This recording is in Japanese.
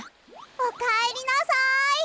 おかえりなさい！